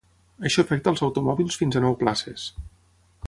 Això afecta els automòbils fins a nou places.